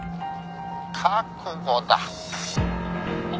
覚悟だ。